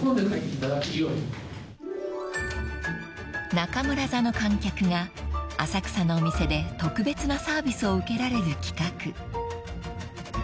［中村座の観客が浅草のお店で特別なサービスを受けられる企画］